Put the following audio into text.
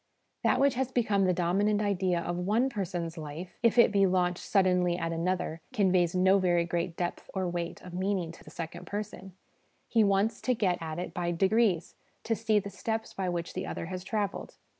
That which has become the dominant idea of one person's life, if it be launched suddenly at another, conveys no very great depth or weight of meaning to the second person he wants to get at it by degrees, to see the steps by which the other has travelled.